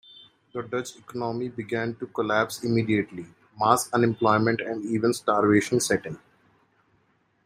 The Dutch economy began to collapse immediately: mass unemployment and even starvation set in.